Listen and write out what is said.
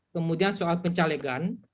kemudian soal pencalegan